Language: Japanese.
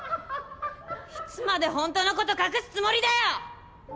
いつまで本当の事隠すつもりだよ！